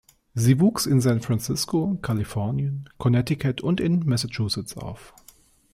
Sie wuchs in San Francisco, Kalifornien, Connecticut und in Massachusetts auf.